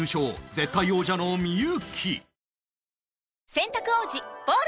絶対王者の幸